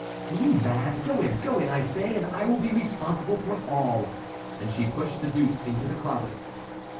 "Are you mad? Go in—go in, I say, and I will be responsible for all;" and she pushed the duke into the closet.